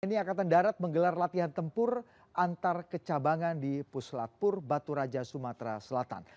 tni akatan darat menggelar latihan tempur antar kecabangan di puslatpur baturaja sumatera selatan